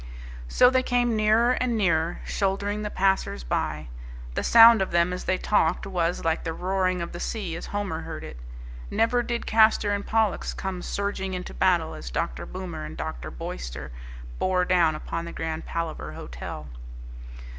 So they came nearer and nearer, shouldering the passers by. The sound of them as they talked was like the roaring of the sea as Homer heard it. Never did Castor and Pollux come surging into battle as Dr. Boomer and Dr. Boyster bore down upon the Grand Palaver Hotel.